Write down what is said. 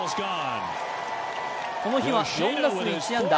この日は４打数１安打。